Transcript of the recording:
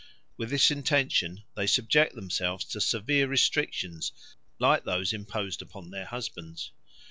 With this intention they subject themselves to severe restrictions like those imposed upon their husbands.